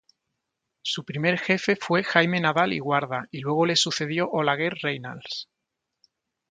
Su primer jefe fue Jaime Nadal y Guarda y luego le sucedió Olaguer Reynals.